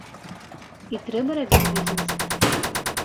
І трэба рабіць бізнэс.